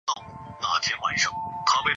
二审高院更审为十五年有期徒刑。